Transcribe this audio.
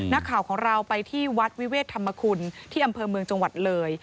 นักข่าวของเราไปที่วัดวิเวศธรรมคุณที่อำเภอเมืองจังหวัดเลย